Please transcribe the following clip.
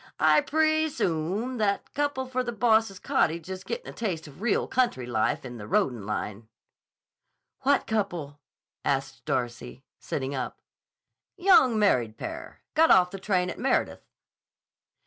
I pree soom that couple for the boss's cottage is gettin' a taste of real country life in the roadin' line." "What couple?" asked Darcy, sitting up. "Young married pair. Got off the train at Meredith."